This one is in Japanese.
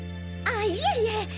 あいえいえ